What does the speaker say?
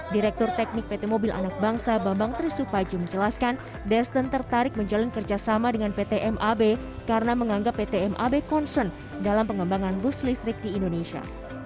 direktur teknik pt mobil anak bangsa bambang trisupaji menjelaskan desten tertarik menjalin kerjasama dengan pt mab karena menganggap pt mab concern dalam pengembangan bus listrik di indonesia